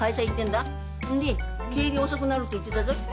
んで帰り遅くなるって言ってたぞい。